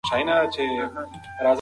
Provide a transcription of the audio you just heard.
وارث به خامخا مرغۍ په غولکه ولي.